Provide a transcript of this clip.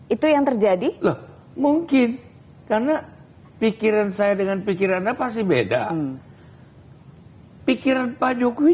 itu yang terjadi loh mungkin karena pikiran saya dengan pikiran pasti beda pikiran pak jokowi